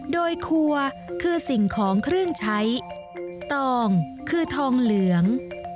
โดยครัวคือสิ่งของเครื่องใช้ตองคือทองเหลือง